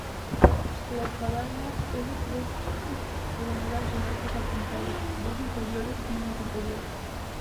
La espadaña es de tres troneras de arcos apuntados, dos inferiores y una superior.